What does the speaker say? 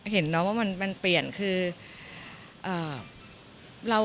เห็นน้องว่ามันเปลี่ยนคือ